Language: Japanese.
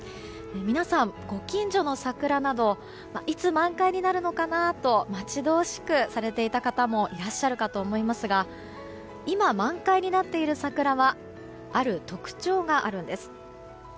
皆さん、ご近所の桜などいつ満開になるのかな？と待ち遠しくされていた方もいらっしゃると思いますが今、満開になっている桜はある特徴があるんです。